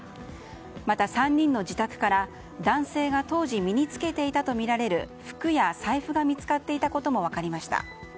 また３人の自宅から男性が当時身に付けていたとみられる服や財布が見つかっていたことも分かりました。